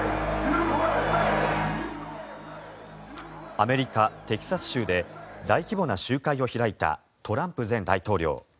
アメリカ・テキサス州で大規模な集会を開いたトランプ前大統領。